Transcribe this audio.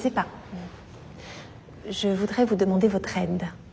うん。